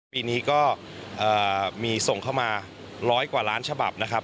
ปีนี้ก็มีส่งเข้ามาร้อยกว่าล้านฉบับนะครับ